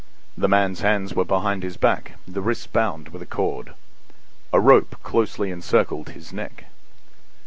The man's hands were behind his back, the wrists bound with a cord. A rope closely encircled his neck.